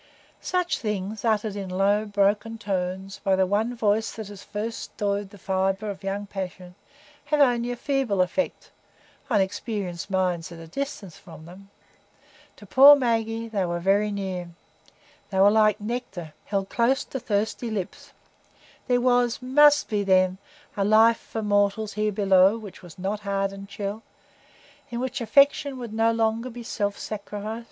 Such things, uttered in low, broken tones by the one voice that has first stirred the fibre of young passion, have only a feeble effect—on experienced minds at a distance from them. To poor Maggie they were very near; they were like nectar held close to thirsty lips; there was, there must be, then, a life for mortals here below which was not hard and chill,—in which affection would no longer be self sacrifice.